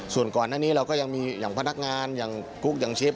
ส่วนก่อนหน้านี้เราก็ยังมีอย่างพนักงานอย่างกุ๊กอย่างเชฟ